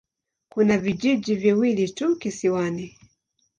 Kuna vijiji viwili tu kisiwani.